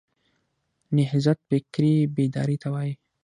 نهضت فکري بیداري ته وایي.